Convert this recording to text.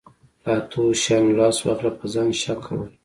له اتو شیانو لاس واخله په ځان شک کول.